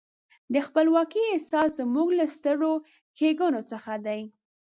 د خپلواکۍ احساس زموږ له سترو ښېګڼو څخه دی.